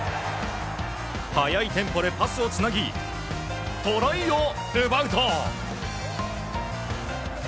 速いテンポでパスをつなぎトライを奪うと。